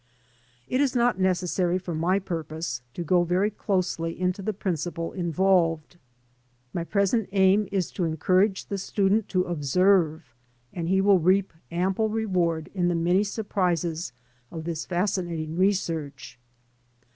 * It is not necessary for my purpose to go very closely into the principle involved. My present aim is to encourage the student to observe, and he will reap ample reward in the many surprises of this fascinating research.